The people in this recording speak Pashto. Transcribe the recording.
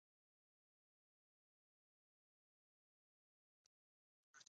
نو ځکه يو انسان بل انسان ته شرمښ دی